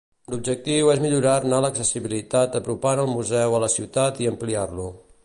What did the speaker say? L'objectiu és millorar-ne l'accessibilitat apropant el museu a la ciutat i ampliar-lo.